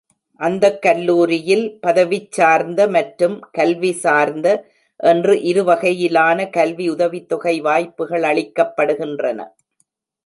அந்தக் கல்லூரியில் பதவிச் சார்ந்த மற்றும் கல்வி சார்ந்த என்று இருவகையிலான கல்வி உதவித்தொகை வாய்ப்புகள் அளிக்கப்படுகின்றன.